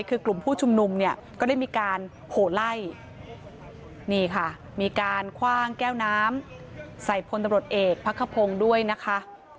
คือกลุ่มผู้ชุมนุมเนี่ยก็ได้มีการโหไล่นี่ค่ะมีการคว่างแก้วน้ำใส่พลตำรวจเอกพักขพงศ์ด้วยนะคะ